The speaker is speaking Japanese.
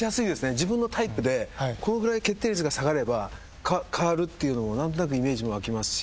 自分のタイプでこのぐらい決定率が下がれば代わるっていうのも何となくイメージも湧きますし。